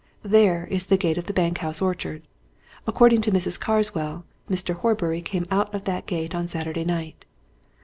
There is the gate of the bank house orchard. According to Mrs. Carswell, Mr. Horbury came out of that gate on Saturday night.